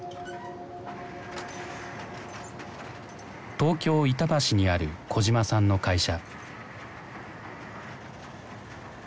東京・板橋にある小島さんの会社。